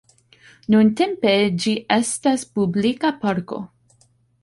Nuntempe ĝi estas publika parko.